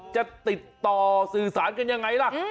จะติดต่อสื่อสารกันยังไงล่ะ